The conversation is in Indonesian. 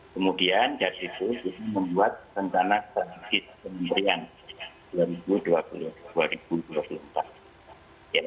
kemudian dari situ kita membuat tentana kategori pemberian